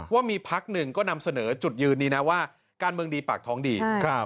ว่ามีพักหนึ่งก็นำเสนอจุดยืนนี้นะว่าการเมืองดีปากท้องดี